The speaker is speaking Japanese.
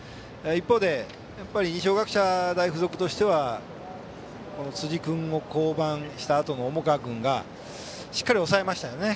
一方、やっぱり二松学舎大付属としては辻君が降板したあとの重川君がしっかり抑えましたよね。